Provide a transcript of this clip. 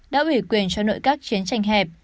đã ủy quyền cho nội các chiến tranh hẹp